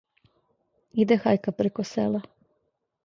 Иде хајка преко села,